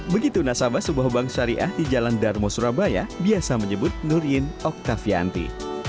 begitu nasabah sebuah bank syariah di jalan darmo surabaya biasa menyebut nurin oktavianti